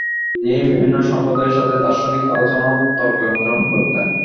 তিনি বিভিন্ন ধর্মসম্প্রদায়ের সাথে দার্শনিক আলোচনা ও তর্কে অংশগ্রহণ করতেন।